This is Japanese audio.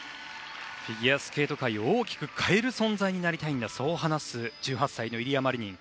フィギュアスケート界を大きく変える存在になりたいそう話す１８歳のイリア・マリニン。